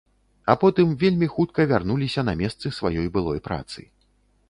А потым вельмі хутка вярнуліся на месцы сваёй былой працы.